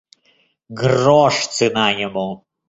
Грош цена ему.